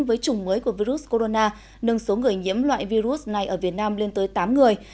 với chủng mới của virus corona nâng số người nhiễm loại virus này ở việt nam lên tới tám người